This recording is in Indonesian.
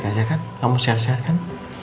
kenapa tuh kalimantan pequoren